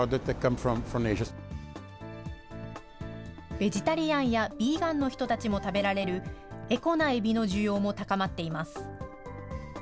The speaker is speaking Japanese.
ベジタリアンやビーガンの人たちも食べられる、エコなエビの需要も高まっています。